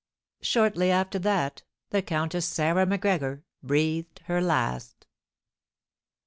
Shortly after that the Countess Sarah Macgregor breathed her last.